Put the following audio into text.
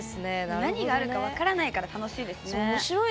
何があるか分からないからおもしろいですね。